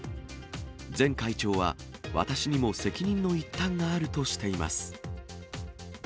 前会長は、私にも責任の一端があるとしています。